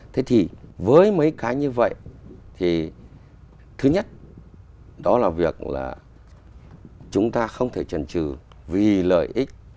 thế thì với mấy cái như vậy thì thứ nhất đó là việc là chúng ta không thể trần trừ vì lợi ích